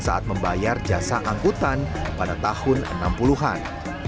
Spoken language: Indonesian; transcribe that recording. saat membayar jasa angkutan pada tahun enam puluh an